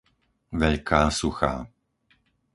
Veľká Suchá